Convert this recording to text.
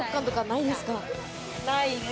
ないです。